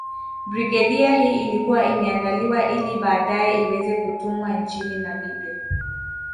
Brigedia hii ilikuwa imeandaliwa ili baadae iweze kutumwa nchini Namibia